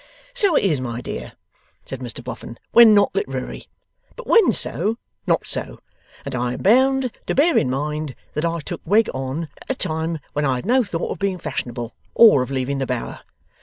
'So it is, my dear,' said Mr Boffin, 'when not literary. But when so, not so. And I am bound to bear in mind that I took Wegg on, at a time when I had no thought of being fashionable or of leaving the Bower.